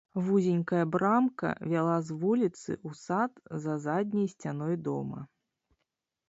Вузенькая брамка вяла з вуліцы ў сад за задняй сцяной дома.